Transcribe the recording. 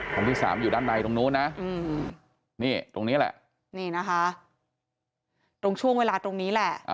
คนที่สามอยู่ด้านในตรงนู้นนะนี่ตรงนี้แหละนี่นะคะตรงช่วงเวลาตรงนี้แหละ